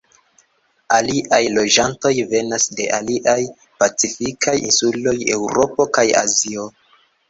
Aliaj loĝantoj venas de aliaj pacifikaj insuloj, Eŭropo kaj Azio.